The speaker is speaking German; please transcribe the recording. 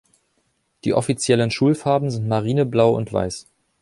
Die offiziellen Schulfarben sind marineblau und weiß.